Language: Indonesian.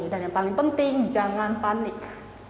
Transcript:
yang paling penting jangan panik